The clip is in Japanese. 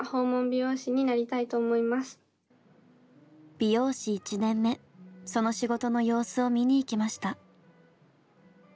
美容師１年目その仕事の様子を見に行きました。